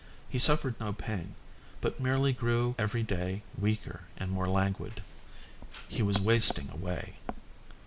He suffered no pain, but merely grew every day weaker and more languid. He was wasting away.